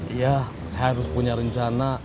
iya saya harus punya rencana